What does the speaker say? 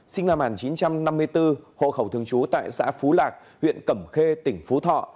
sinh năm một nghìn chín trăm năm mươi bốn hộ khẩu thường trú tại xã phú lạc huyện cẩm khê tỉnh phú thọ